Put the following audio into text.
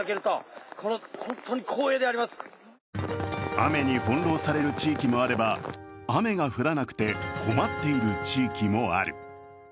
雨に翻弄される地域もあれば雨が降らなくて困っている地域もある。